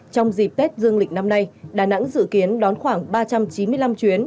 trong dịp tết dương lịch năm nay đà nẵng dự kiến đón khoảng ba trăm chín mươi năm chuyến